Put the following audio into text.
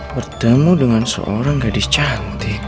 bertemu dengan seorang gadis cantik